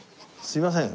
すいません。